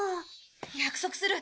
約束する。